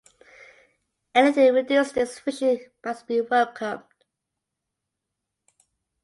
Anything to reduce this friction must be welcomed.